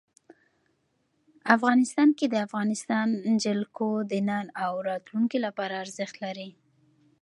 افغانستان کې د افغانستان جلکو د نن او راتلونکي لپاره ارزښت لري.